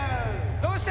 どうした？